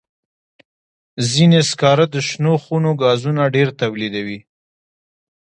ځینې سکاره د شنو خونو ګازونه ډېر تولیدوي.